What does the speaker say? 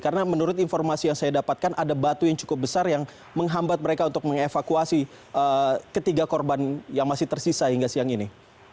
karena menurut informasi yang saya dapatkan ada batu yang cukup besar yang menghambat mereka untuk mengevakuasi ketiga korban yang masih tersisa hingga siang ini